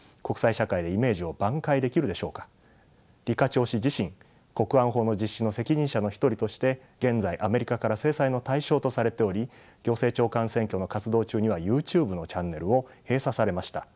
超氏自身国安法の実施の責任者の一人として現在アメリカから制裁の対象とされており行政長官選挙の活動中にはユーチューブのチャンネルを閉鎖されました。